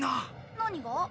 何が？